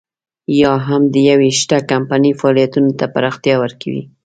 یا هم د يوې شته کمپنۍ فعالیتونو ته پراختیا ورکوي.